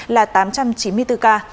là tám trăm chín mươi bốn ca